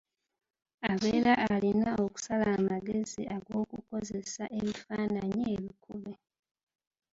Abeera alina okusala amagezi ag’okukozesa ebifaananyi ebikube.